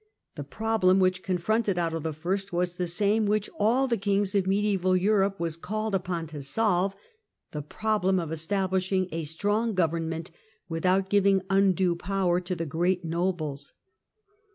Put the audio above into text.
The problem which confronted Otto I. was the same which all the kings of mediseval Europe were called upon to solve, the problem of establishing a strong government without giving undue power to the great nobles.